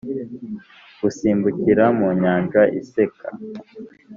gusimbukira mu nyanja iseka.